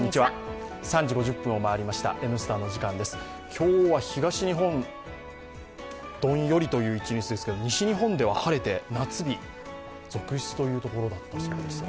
今日は東日本は、どんよりという一日ですけど、西日本では晴れて夏日続出ということだったそうですよ。